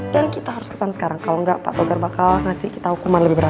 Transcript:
dan kita harus kesana sekarang kalo engga pak togar bakal ngasih kita hukuman lebih berat